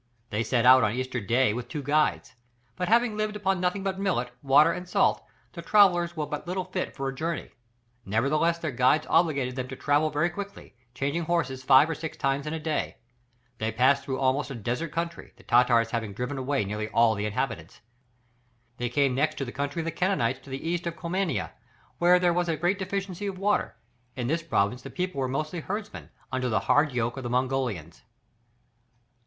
They set out on Easter day with two guides; but having lived upon nothing but millet, water, and salt, the travellers were but little fit for a journey; nevertheless their guides obliged them to travel very quickly, changing horses five or six times in a day. They passed through almost a desert country, the Tartars having driven away nearly all the inhabitants. They came next to the country of the Kangites to the east of Comania, where there was a great deficiency of water; in this province the people were mostly herdsmen, under the hard yoke of the Mongolians.